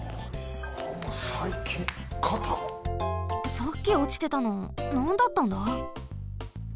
さっきおちてたのなんだったんだ？